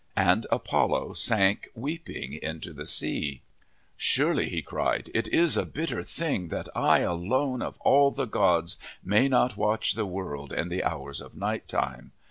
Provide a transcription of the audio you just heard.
And Apollo sank weeping into the sea. 'Surely,' he cried, 'it is a bitter thing that I alone, of all the gods, may not watch the world in the hours of night time.